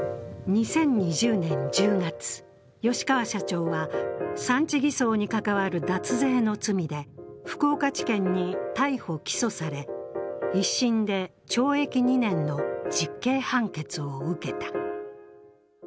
２０２０年１０月、吉川社長は産地偽装に関わる脱税の罪で福岡地検に逮捕・起訴され、１審で懲役２年の実刑判決を受けた。